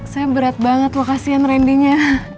saya berat banget loh kasihan ren nya